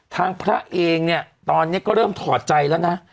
พระเองเนี่ยตอนนี้ก็เริ่มถอดใจแล้วนะ